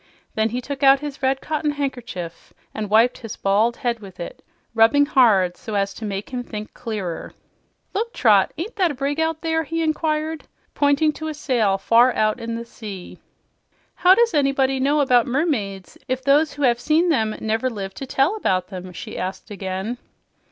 Then he took out his red cotton handkerchief and wiped his bald head with it, rubbing hard so as to make him think clearer. "Look, Trot; ain't that a brig out there?" he inquired, pointing to a sail far out in the sea. "How does anybody know about mermaids if those who have seen them never lived to tell about them?" she asked again.